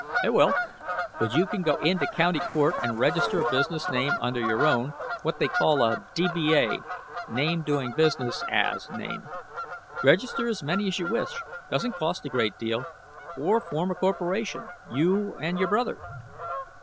"It will. But you can go into the County Court and register a business name under your own, what they call a D.B.A. name doing business as name. Register as many as you wish. Doesn't cost a great deal. Or form a corporation, you and your brother."